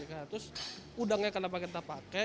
terus udangnya kenapa kita pakai